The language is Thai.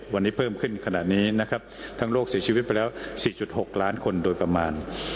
วันนี้เพิ่มขึ้นขณะนี้นะครับทั้งโลกเสียชีวิตไปแล้ว๔๖ล้านคนโดยประมาณ